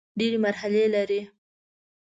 ډېري مرحلې لري .